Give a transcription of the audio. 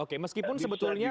oke meskipun sebetulnya